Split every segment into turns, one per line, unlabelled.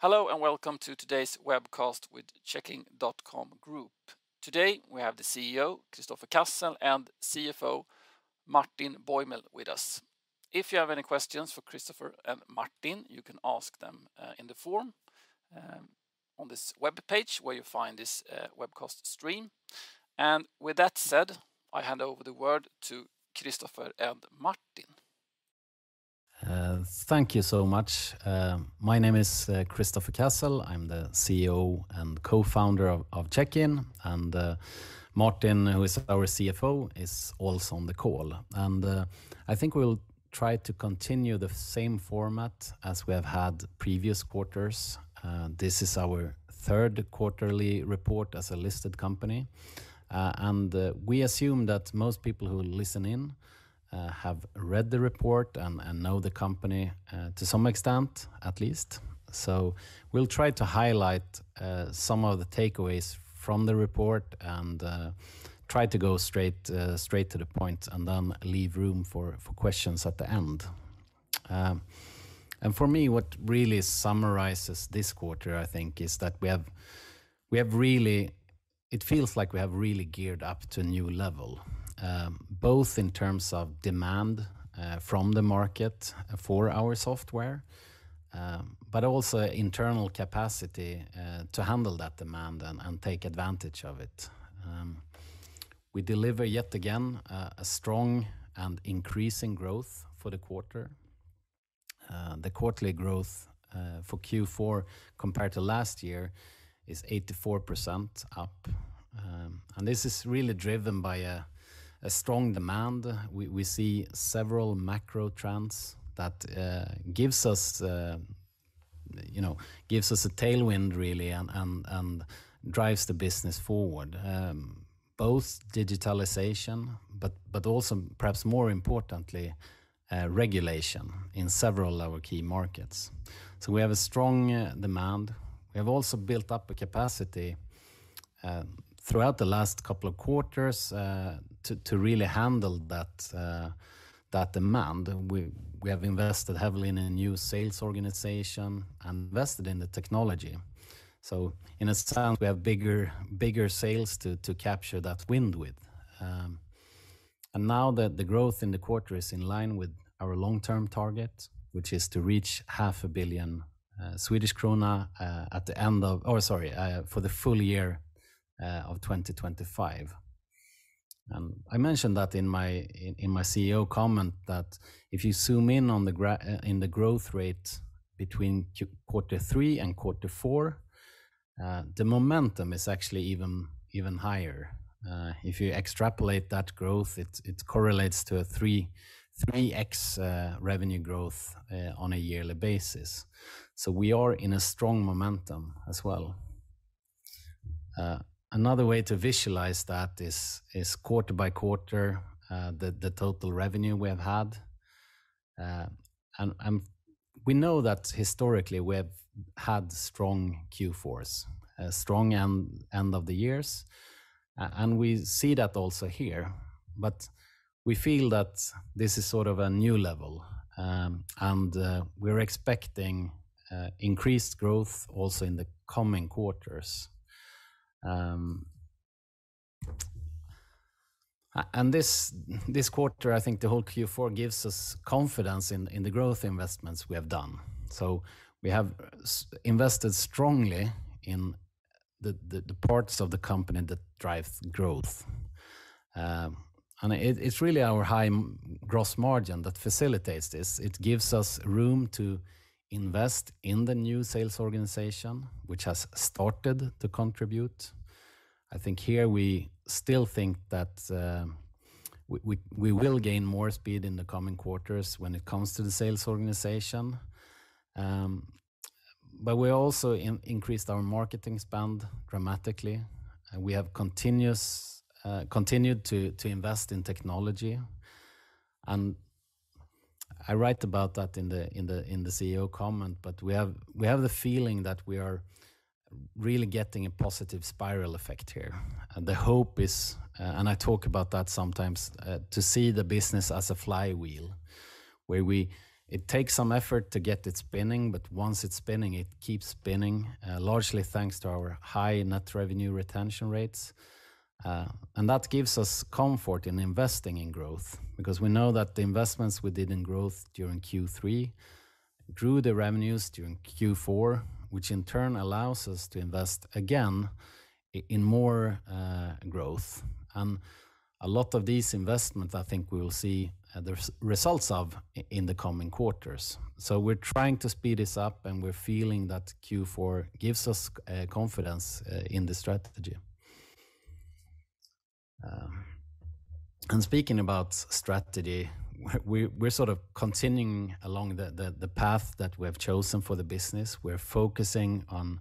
Hello, and welcome to today's webcast with Checkin.com Group. Today we have the CEO, Kristoffer Cassel, and CFO, Martin Bäuml, with us. If you have any questions for Kristoffer and Martin, you can ask them in the forum on this webpage where you find this webcast stream. With that said, I hand over the word to Kristoffer and Martin.
Thank you so much. My name is Kristoffer Cassel. I'm the CEO and co-founder of Checkin, and Martin, who is our CFO, is also on the call. I think we'll try to continue the same format as we have had previous quarters. This is our third quarterly report as a listed company. We assume that most people who listen in have read the report and know the company to some extent, at least. We'll try to highlight some of the takeaways from the report and try to go straight to the point and then leave room for questions at the end. For me, what really summarizes this quarter, I think, is that it feels like we have really geared up to a new level, both in terms of demand from the market for our software, but also internal capacity to handle that demand and take advantage of it. We deliver yet again a strong and increasing growth for the quarter. The quarterly growth for Q4 compared to last year is 84% up. This is really driven by a strong demand. We see several macro trends that gives us you know a tailwind really and drives the business forward. Both digitalization, but also perhaps more importantly, regulation in several of our key markets. We have a strong demand. We have also built up a capacity throughout the last couple of quarters to really handle that demand. We have invested heavily in a new sales organization, invested in the technology. In a sense, we have bigger sales to capture that wind with. Now that the growth in the quarter is in line with our long-term target, which is to reach half a billion Swedish krona for the full year of 2025. I mentioned that in my CEO comment that if you zoom in on the growth rate between quarter three and quarter four, the momentum is actually even higher. If you extrapolate that growth, it correlates to a 3x revenue growth on a yearly basis. We are in a strong momentum as well. Another way to visualize that is quarter by quarter the total revenue we have had. We know that historically we have had strong Q4s, strong end of the years, and we see that also here. We feel that this is sort of a new level, and we're expecting increased growth also in the coming quarters. This quarter, I think the whole Q4 gives us confidence in the growth investments we have done. We have invested strongly in the parts of the company that drive growth. It's really our high gross margin that facilitates this. It gives us room to invest in the new sales organization, which has started to contribute. I think here we still think that we will gain more speed in the coming quarters when it comes to the sales organization. We also increased our marketing spend dramatically, and we have continued to invest in technology. I write about that in the CEO comment. We have the feeling that we are really getting a positive spiral effect here. The hope is, and I talk about that sometimes, to see the business as a flywheel, where it takes some effort to get it spinning, but once it's spinning, it keeps spinning, largely thanks to our high Net Revenue Retention rates. That gives us comfort in investing in growth because we know that the investments we did in growth during Q3 grew the revenues during Q4, which in turn allows us to invest again in more growth. A lot of these investments, I think we will see the results of in the coming quarters. We're trying to speed this up, and we're feeling that Q4 gives us confidence in the strategy. Speaking about strategy, we're sort of continuing along the path that we have chosen for the business. We're focusing on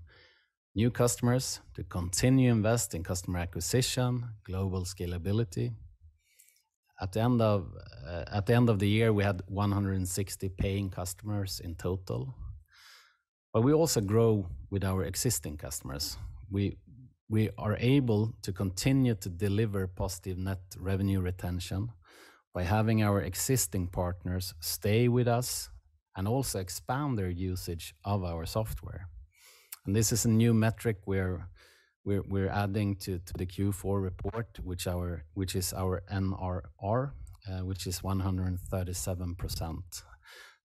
new customers to continue invest in customer acquisition, global scalability. At the end of the year, we had 160 paying customers in total. We also grow with our existing customers. We are able to continue to deliver positive net revenue retention by having our existing partners stay with us and also expand their usage of our software. This is a new metric we're adding to the Q4 report, which is our NRR, which is 137%.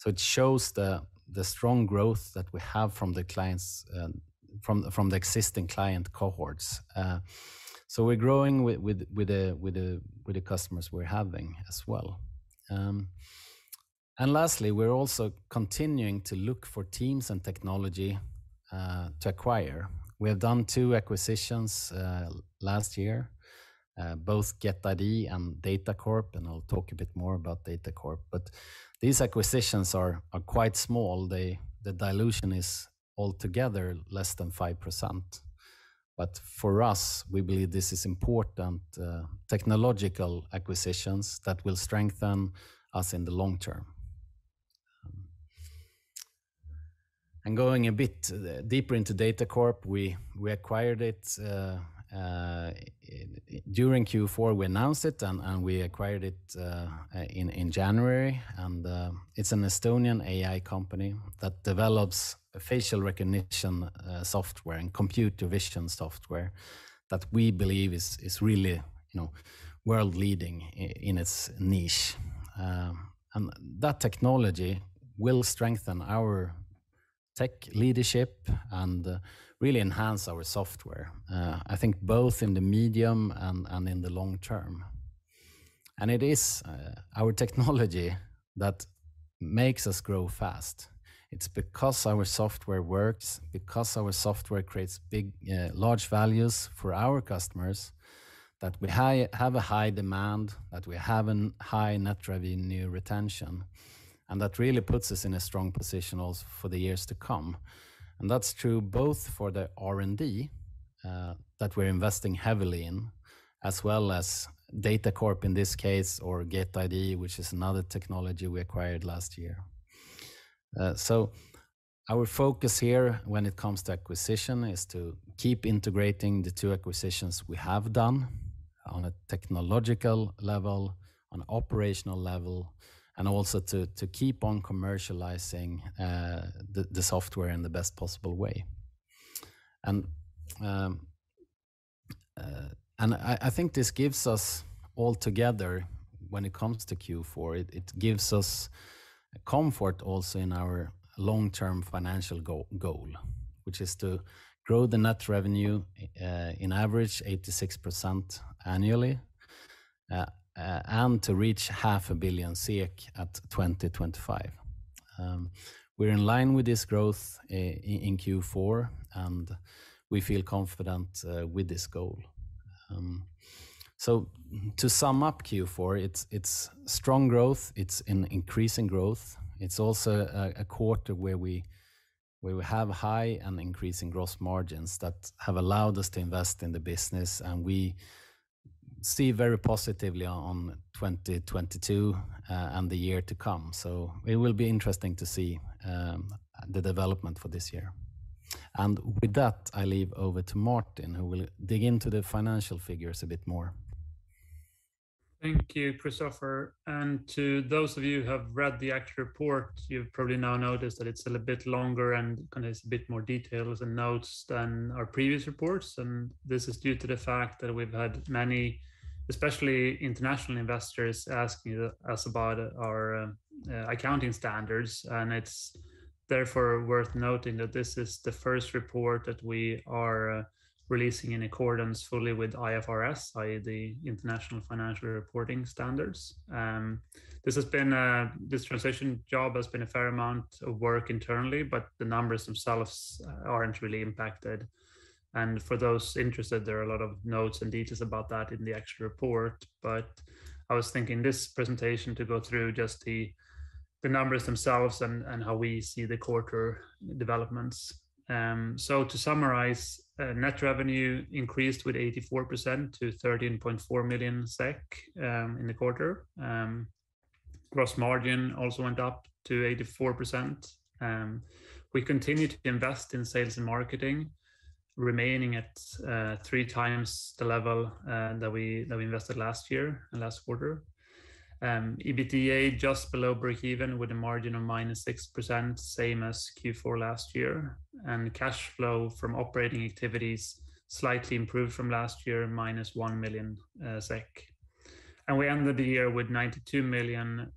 It shows the strong growth that we have from the clients, from the existing client cohorts. We're growing with the customers we're having as well. Lastly, we're also continuing to look for teams and technology to acquire. We have done two acquisitions last year, both GetID and DATACORP, and I'll talk a bit more about DATACORP. These acquisitions are quite small. The dilution is altogether less than 5%. For us, we believe this is important technological acquisitions that will strengthen us in the long term. Going a bit deeper into DATACORP, we acquired it during Q4, we announced it and we acquired it in January. It's an Estonian AI company that develops facial recognition software and computer vision software that we believe is really, you know, world-leading in its niche. That technology will strengthen our tech leadership and really enhance our software, I think both in the medium and in the long term. It is our technology that makes us grow fast. It's because our software works, because our software creates big large values for our customers, that we have a high demand, that we have a high Net Revenue Retention. That really puts us in a strong position for the years to come. That's true both for the R&D that we're investing heavily in, as well as DATACORP in this case, or GetID, which is another technology we acquired last year. Our focus here when it comes to acquisition is to keep integrating the two acquisitions we have done on a technological level, on operational level, and also to keep on commercializing the software in the best possible way. I think this gives us altogether when it comes to Q4. It gives us comfort also in our long-term financial goal, which is to grow the net revenue on average 86% annually, and to reach half a billion SEK at 2025. We're in line with this growth in Q4, and we feel confident with this goal. To sum up Q4, it's strong growth. It's an increasing growth. It's also a quarter where we have high and increasing gross margins that have allowed us to invest in the business, and we see very positively on 2022 and the year to come. It will be interesting to see the development for this year. With that, I leave over to Martin, who will dig into the financial figures a bit more.
Thank you, Kristoffer. To those of you who have read the actual report, you've probably now noticed that it's a little bit longer and kind of has a bit more details and notes than our previous reports. This is due to the fact that we've had many, especially international investors, asking us about our accounting standards. It's therefore worth noting that this is the first report that we are releasing in accordance fully with IFRS, i.e. the International Financial Reporting Standards. This transition job has been a fair amount of work internally, but the numbers themselves aren't really impacted. For those interested, there are a lot of notes and details about that in the actual report. I was thinking this presentation to go through just the numbers themselves and how we see the quarter developments. To summarize, net revenue increased 84% to 13.4 million SEK in the quarter. Gross margin also went up to 84%. We continue to invest in sales and marketing, remaining at three times the level that we invested last year and last quarter. EBITDA just below breakeven with a margin of -6%, same as Q4 last year. Cash flow from operating activities slightly improved from last year, -1 million SEK. We ended the year with 92 million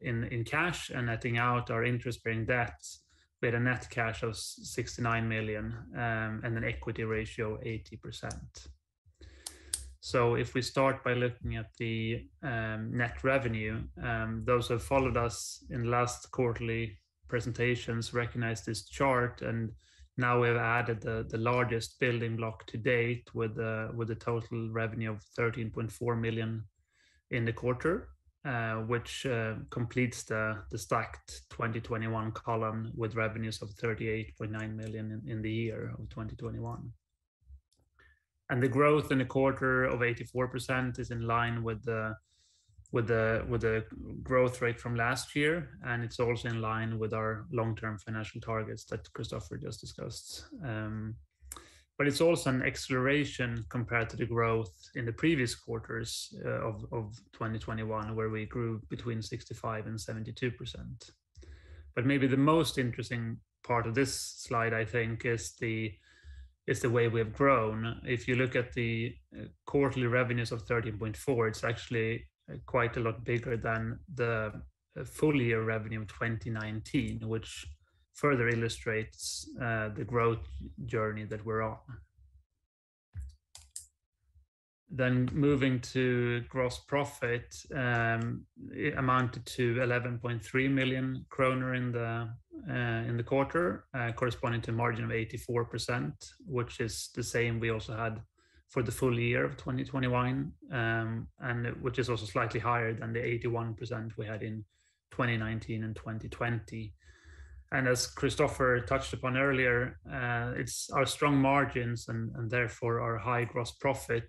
in cash, and netting out our interest-bearing debts with a net cash of 69 million and an equity ratio 80%. If we start by looking at the net revenue, those who followed us in last quarterly presentations recognize this chart. Now we've added the largest building block to date with the total revenue of 13.4 million in the quarter, which completes the stacked 2021 column with revenues of 38.9 million in the year of 2021. The growth in the quarter of 84% is in line with the growth rate from last year, and it's also in line with our long-term financial targets that Kristoffer Cassel just discussed. But it's also an acceleration compared to the growth in the previous quarters of 2021, where we grew between 65% and 72%. Maybe the most interesting part of this slide, I think, is the way we have grown. If you look at the quarterly revenues of 13.4 million, it's actually quite a lot bigger than the full year revenue of 2019, which further illustrates the growth journey that we're on. Moving to gross profit, it amounted to 11.3 million kronor in the quarter, corresponding to a margin of 84%, which is the same we also had for the full year of 2021, and which is also slightly higher than the 81% we had in 2019 and 2020. As Kristoffer touched upon earlier, it's our strong margins and therefore our high gross profit,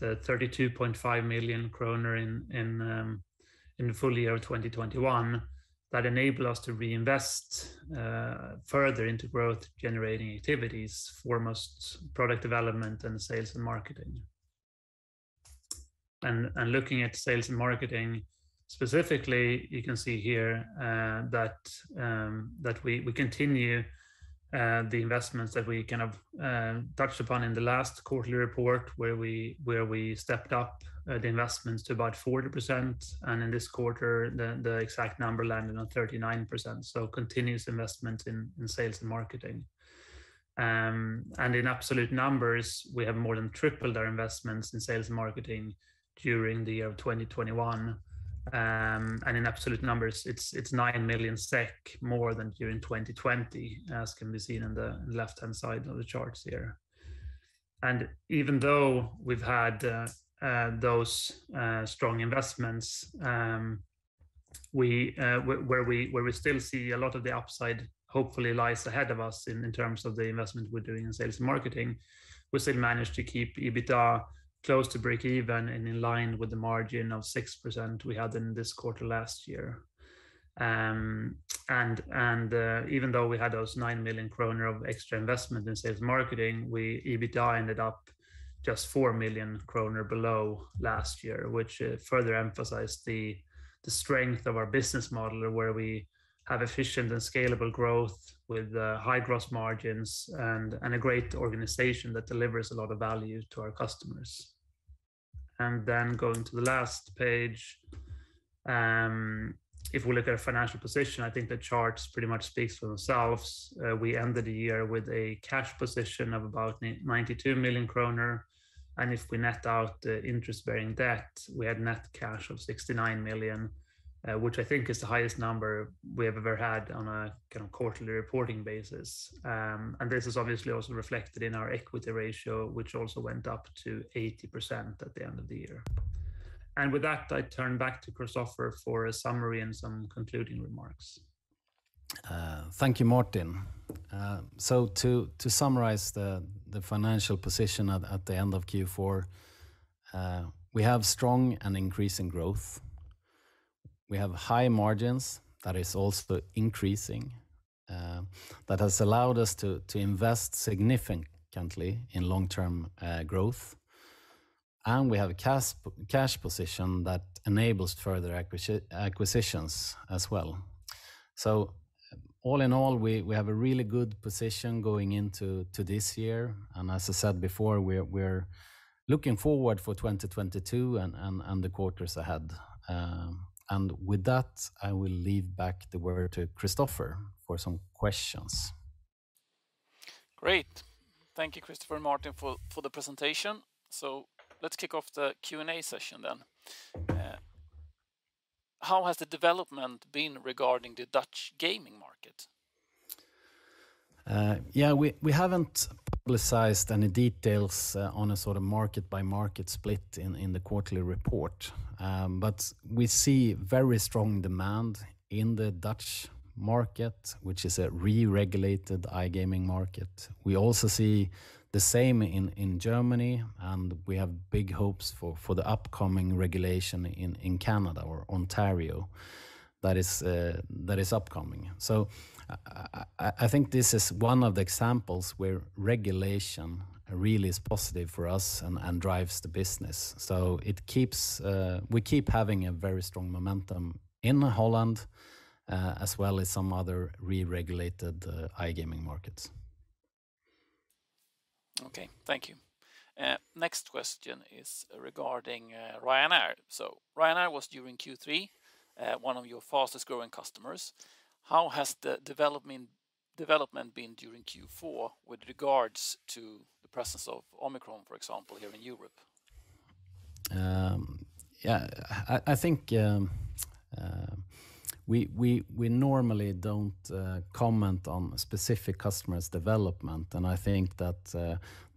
the 32.5 million kronor in the full year of 2021 that enable us to reinvest further into growth-generating activities, foremost product development and sales and marketing. Looking at sales and marketing specifically, you can see here that we continue the investments that we kind of touched upon in the last quarterly report where we stepped up the investments to about 40%. In this quarter, the exact number landed on 39%. Continuous investment in sales and marketing. In absolute numbers, we have more than tripled our investments in sales and marketing during the year of 2021. In absolute numbers, it's 9 million SEK more than during 2020, as can be seen on the left-hand side of the charts here. Even though we've had those strong investments, we still see a lot of the upside hopefully lies ahead of us in terms of the investment we're doing in sales and marketing, we still managed to keep EBITDA close to breakeven and in line with the margin of 6% we had in this quarter last year. Even though we had those 9 million kronor of extra investment in sales and marketing, EBITDA ended up just 4 million kronor below last year, which further emphasized the strength of our business model and where we have efficient and scalable growth with high gross margins and a great organization that delivers a lot of value to our customers. Going to the last page, if we look at our financial position, I think the charts pretty much speaks for themselves. We ended the year with a cash position of about 92 million kronor, and if we net out the interest-bearing debt, we had net cash of 69 million, which I think is the highest number we have ever had on a kind of quarterly reporting basis. This is obviously also reflected in our equity ratio, which also went up to 80% at the end of the year. With that, I turn back to Kristoffer for a summary and some concluding remarks.
Thank you, Martin. To summarize the financial position at the end of Q4, we have strong and increasing growth. We have high margins that is also increasing, that has allowed us to invest significantly in long-term growth. We have a cash position that enables further acquisitions as well. All in all, we have a really good position going into this year, and as I said before, we're looking forward for 2022 and the quarters ahead. With that, I will hand back the word to Kristoffer for some questions.
Great. Thank you, Kristoffer and Martin, for the presentation. Let's kick off the Q&A session then. How has the development been regarding the Dutch gaming market?
Yeah, we haven't publicized any details on a sort of market-by-market split in the quarterly report. We see very strong demand in the Dutch market, which is a re-regulated iGaming market. We also see the same in Germany, and we have big hopes for the upcoming regulation in Canada or Ontario that is upcoming. I think this is one of the examples where regulation really is positive for us and drives the business. We keep having a very strong momentum in Holland, as well as some other re-regulated iGaming markets.
Okay. Thank you. Next question is regarding Ryanair. Ryanair was during Q3 one of your fastest-growing customers. How has the development been during Q4 with regards to the presence of Omicron, for example, here in Europe?
I think we normally don't comment on specific customers' development, and I think that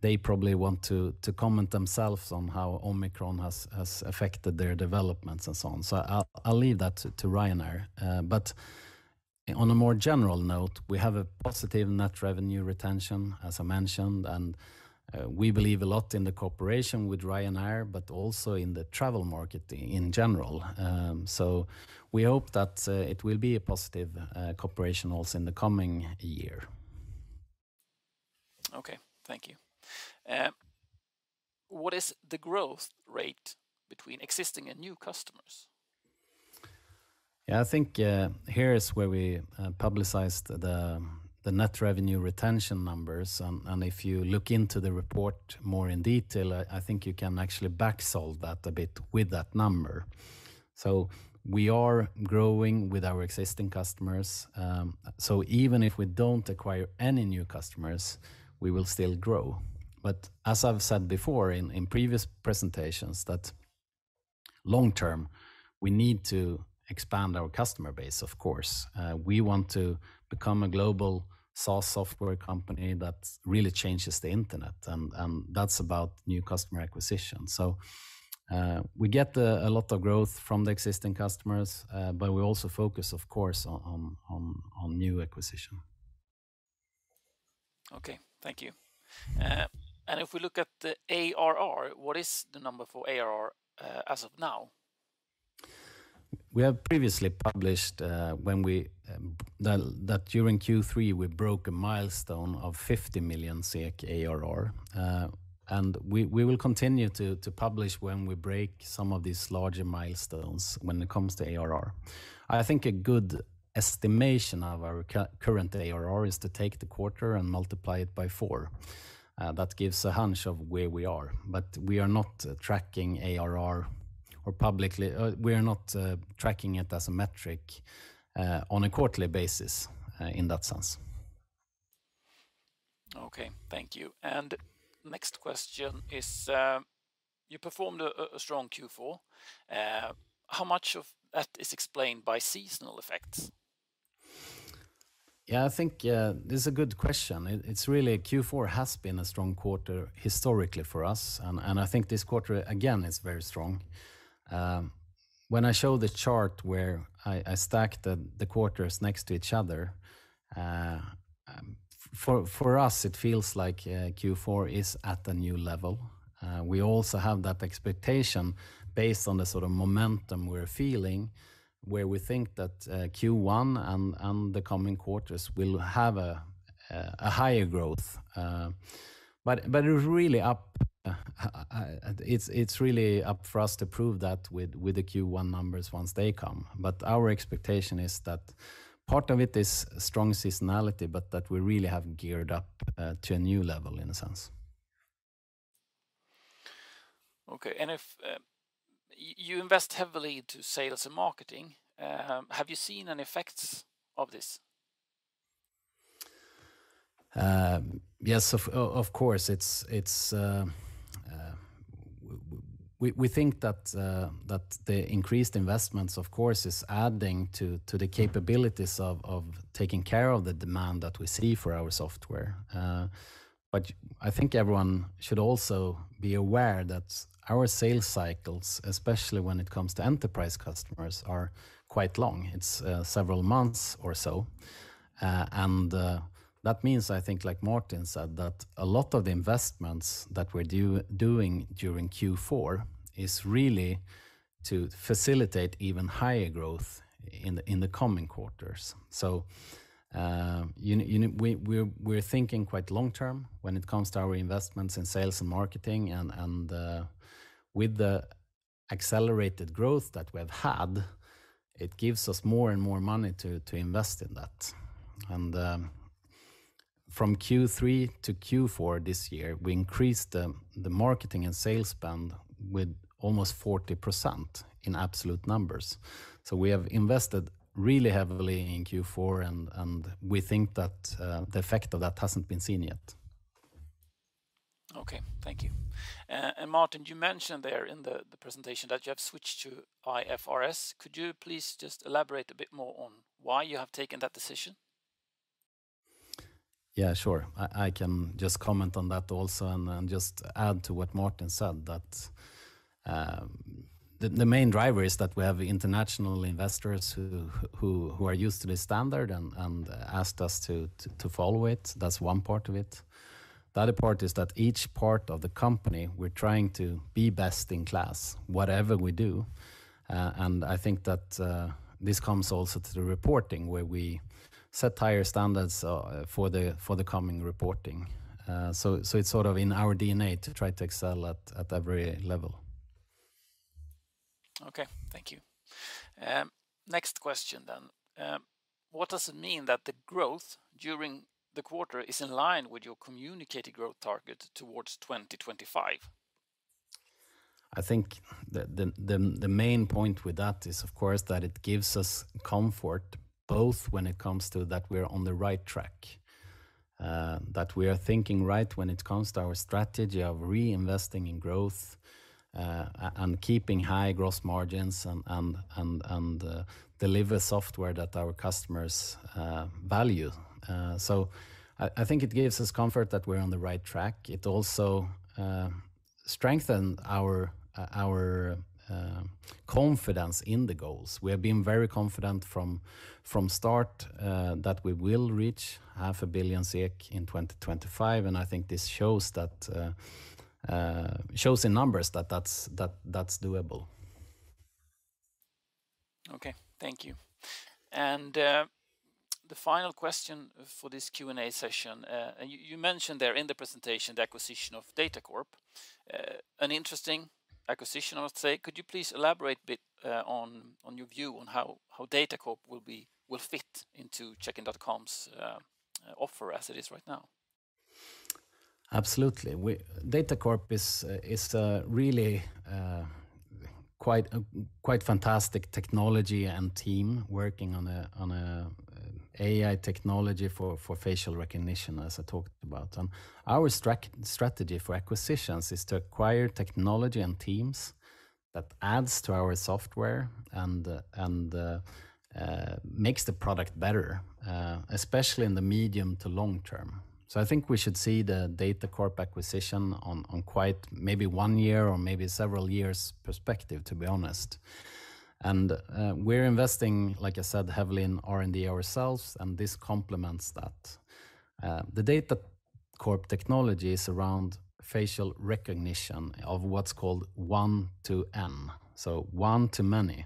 they probably want to comment themselves on how Omicron has affected their developments and so on. I'll leave that to Ryanair. On a more general note, we have a positive Net Revenue Retention, as I mentioned, and we believe a lot in the cooperation with Ryanair, but also in the travel market in general. We hope that it will be a positive cooperation also in the coming year.
Okay. Thank you. What is the growth rate between existing and new customers?
Yeah, I think here is where we publicized the net revenue retention numbers. If you look into the report more in detail, I think you can actually back solve that a bit with that number. We are growing with our existing customers. Even if we don't acquire any new customers, we will still grow. As I've said before in previous presentations, that long term, we need to expand our customer base, of course. We want to become a global SaaS software company that really changes the internet, and that's about new customer acquisition. We get a lot of growth from the existing customers, but we also focus of course on new acquisition.
Okay. Thank you. If we look at the ARR, what is the number for ARR, as of now?
We have previously published that during Q3 we broke a milestone of 50 million SEK ARR. We will continue to publish when we break some of these larger milestones when it comes to ARR. I think a good estimation of our current ARR is to take the quarter and multiply it by four. That gives a hunch of where we are, but we are not tracking ARR publicly. We are not tracking it as a metric on a quarterly basis in that sense.
Okay. Thank you. Next question is, you performed a strong Q4. How much of that is explained by seasonal effects?
Yeah, I think this is a good question. It's really Q4 has been a strong quarter historically for us, and I think this quarter again is very strong. When I show the chart where I stacked the quarters next to each other, for us it feels like Q4 is at a new level. We also have that expectation based on the sort of momentum we're feeling, where we think that Q1 and the coming quarters will have a higher growth. It's really up for us to prove that with the Q1 numbers once they come. Our expectation is that part of it is strong seasonality, but that we really have geared up to a new level in a sense.
Okay. If you invest heavily into sales and marketing, have you seen any effects of this?
Yes, of course. We think that the increased investments of course is adding to the capabilities of taking care of the demand that we see for our software. I think everyone should also be aware that our sales cycles, especially when it comes to enterprise customers, are quite long, several months or so. That means, I think like Martin said, that a lot of the investments that we're doing during Q4 is really to facilitate even higher growth in the coming quarters. You know, we're thinking quite long term when it comes to our investments in sales and marketing and with the accelerated growth that we've had, it gives us more and more money to invest in that. From Q3 to Q4 this year, we increased the marketing and sales spend with almost 40% in absolute numbers. We have invested really heavily in Q4 and we think that the effect of that hasn't been seen yet.
Okay. Thank you. Martin, you mentioned there in the presentation that you have switched to IFRS. Could you please just elaborate a bit more on why you have taken that decision?
Yeah, sure. I can just comment on that also and then just add to what Martin said that, the main driver is that we have international investors who are used to this standard and asked us to follow it. That's one part of it. The other part is that each part of the company, we're trying to be best in class, whatever we do. I think that this comes also to the reporting where we set higher standards for the coming reporting. It's sort of in our DNA to try to excel at every level.
Okay. Thank you. Next question. What does it mean that the growth during the quarter is in line with your communicated growth target towards 2025?
I think the main point with that is of course that it gives us comfort both when it comes to that we're on the right track, that we are thinking right when it comes to our strategy of reinvesting in growth, and keeping high gross margins and deliver software that our customers value. I think it gives us comfort that we're on the right track. It also strengthens our confidence in the goals. We have been very confident from start that we will reach half a billion SEK in 2025, and I think this shows in numbers that that's doable.
Okay. Thank you. The final question for this Q&A session, and you mentioned there in the presentation the acquisition of DATACORP, an interesting acquisition, I would say. Could you please elaborate a bit on your view on how DATACORP will fit into Checkin.com's offer as it is right now?
Absolutely. DATACORP is really quite fantastic technology and team working on a AI technology for facial recognition, as I talked about. Our strategy for acquisitions is to acquire technology and teams that adds to our software and makes the product better, especially in the medium to long term. I think we should see the DATACORP acquisition on quite maybe one year or maybe several years perspective, to be honest. We're investing, like I said, heavily in R&D ourselves, and this complements that. The DATACORP technology is around facial recognition of what's called one-to-many.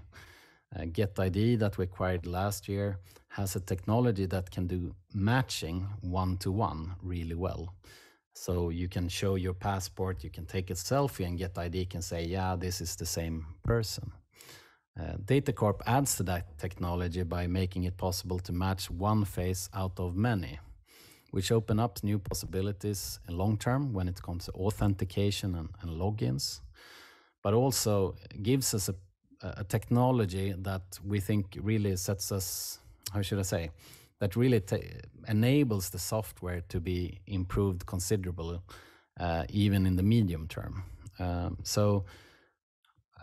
GetID that we acquired last year has a technology that can do matching one to one really well. You can show your passport, you can take a selfie, and GetID can say, "Yeah, this is the same person." DATACORP adds to that technology by making it possible to match one face out of many, which open up new possibilities in long term when it comes to authentication and logins, but also gives us a technology that we think really enables the software to be improved considerably, even in the medium term.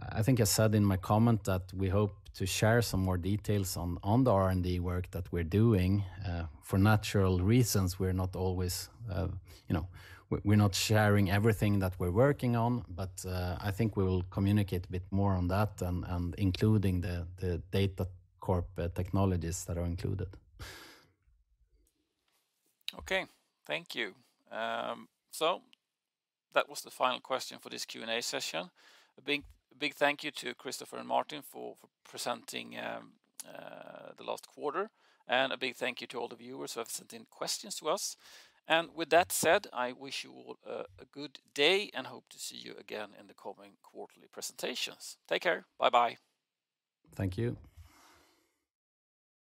I think I said in my comment that we hope to share some more details on the R&D work that we're doing. For natural reasons, we're not always sharing everything that we're working on. I think we will communicate a bit more on that and including the DATACORP technologies that are included.
Okay. Thank you. So that was the final question for this Q&A session. A big thank you to Kristoffer and Martin for presenting the last quarter. A big thank you to all the viewers who have sent in questions to us. With that said, I wish you all a good day, and hope to see you again in the coming quarterly presentations. Take care. Bye-bye.
Thank you.